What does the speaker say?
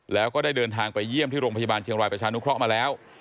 แล้วก็ได้เดินทางไปเยี่ยมที่โรงพยาบาลเชียงรายประชานุเคราะห์มาแล้ว